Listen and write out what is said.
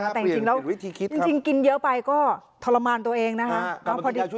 แต่จริงกินเยอะไปก็ทรมานตัวเองนะครับ